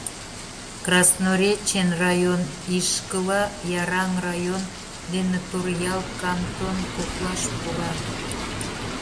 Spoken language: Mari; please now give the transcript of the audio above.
Красноречен район ишкыла Яраҥ район дене Торъял кантон коклаш пура.